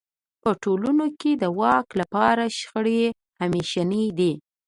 په ټولنو کې د واک لپاره شخړې همېشنۍ دي.